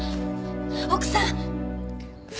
奥さん！